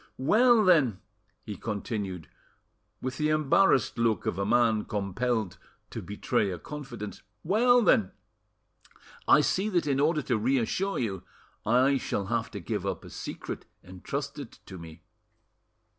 ... Well, then," he continued, with the embarrassed look of a man compelled to betray a confidence,—"well, then, I see that in order to reassure you, I shall have to give up a secret entrusted to me."